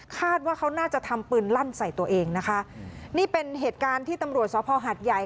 คาดว่าเขาน่าจะทำปืนลั่นใส่ตัวเองนะคะนี่เป็นเหตุการณ์ที่ตำรวจสภหัดใหญ่